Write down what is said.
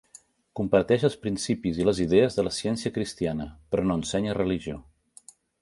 Comparteix els principis i les idees de la Ciència Cristiana, però no ensenya religió.